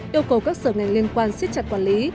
yêu cầu các sở ngành liên quan xích chặt quản lý